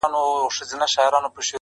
o حق لرمه والوزم اسمان ته الوته لرم,